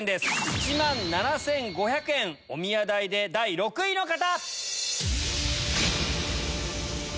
１万７５００円おみや代で第６位の方！